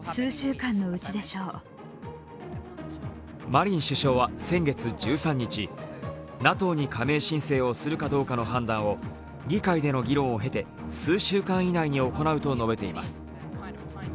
マリン首相は先月１３日、ＮＡＴＯに加盟申請をするかどうかの判断を議会での議論を経て数週間以内に行うと述べています。